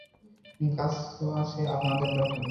গাছও আছে আপনাদের দখলে?